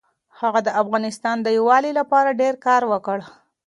هغه د افغانستان د یووالي لپاره ډېر کار وکړ.